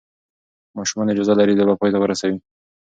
ماشومان اجازه لري لوبه پای ته ورسوي.